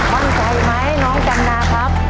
มั่นใจไหมน้องจันนาครับ